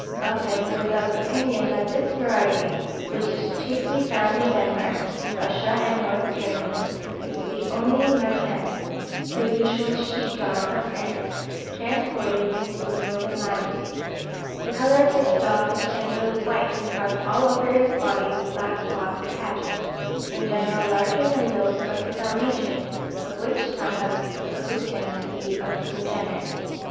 Buffon was of opinion that this variety, which is chiefly found in Denmark, Russia, and Northern Germany, is only the Mâtin (the usual sheep dog of France) transported into a northern latitude. The colour of this dog is generally white, marked all over his body with black spots and patches, in general larger than those of the Dalmatian, of which some have supposed him to be a congener.